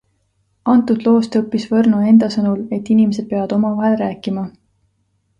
Antud loost õppis Võrno enda sõnul, et inimesed peavad omavahel rääkima.